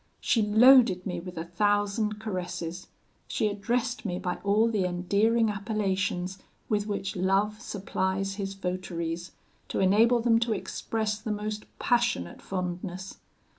She loaded me with a thousand caresses. She addressed me by all the endearing appellations with which love supplies his votaries, to enable them to express the most passionate fondness.